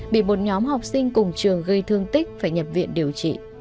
bị một nhóm học sinh cùng trường gây thương tích phải nhập viện điều trị